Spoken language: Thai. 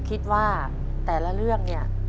คิดว่าแต่ละเรื่องเนี่ย